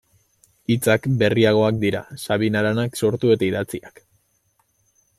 Hitzak berriagoak dira, Sabin Aranak sortu eta idatziak.